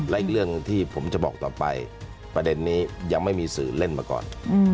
และอีกเรื่องที่ผมจะบอกต่อไปประเด็นนี้ยังไม่มีสื่อเล่นมาก่อน